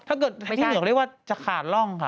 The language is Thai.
ถ้าเกิดที่เหนือกเรียกว่าสังขาลร่องค่ะ